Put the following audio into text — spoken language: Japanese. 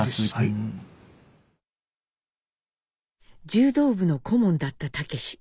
柔道部の顧問だった武。